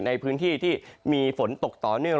ในพื้นที่ที่มีฝนตกต่อเนื่อง